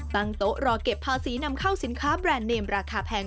ตั้งโต๊ะรอเก็บภาษีนำเข้าสินค้าแบรนด์เนมราคาแพง